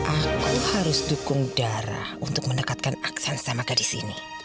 aku harus dukung darah untuk mendekatkan aksan sama gadis ini